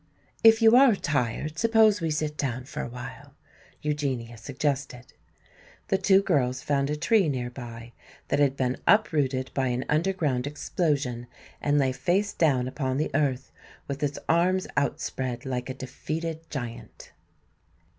"If you are tired, suppose we sit down for a while," Eugenia suggested. The two girls found a tree near by that had been uprooted by an underground explosion and lay face down upon the earth with its arms outspread, like a defeated giant.